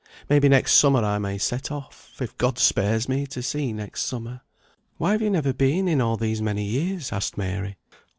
May be next summer I may set off, if God spares me to see next summer." "Why have you never been in all these many years?" asked Mary.